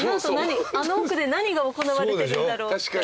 あの奥で何が行われてるんだろうって。